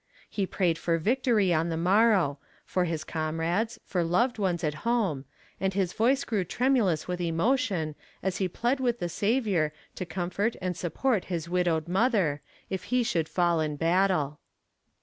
He prayed for victory on the morrow, for his comrades, for loved ones at home, and his voice grew tremulous with emotion, as he plead with the Saviour to comfort and support his widowed mother, if he should fall in battle.